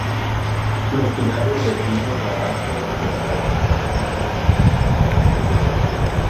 Los pinares de pino carrasco son la vegetación más abundante.